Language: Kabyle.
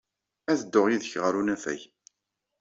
Ad dduɣ yid-k ɣer unafag.